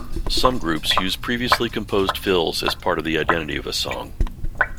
Some groups use previously composed fills as part of the identity of a song.